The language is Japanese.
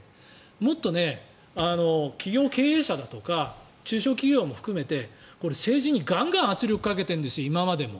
もっと、企業経営者だとか中小企業も含めて政治にガンガン圧力をかけているんです今までも。